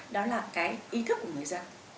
đó là cái ý thức của người dân